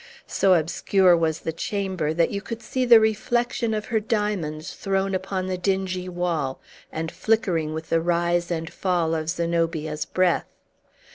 So obscure was the chamber, that you could see the reflection of her diamonds thrown upon the dingy wall, and flickering with the rise and fall of Zenobia's breath.